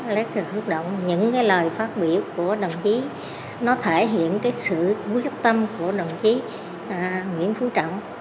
rất là xúc động những cái lời phát biểu của đồng chí nó thể hiện cái sự quyết tâm của đồng chí nguyễn phú trọng